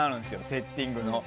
セッティングの。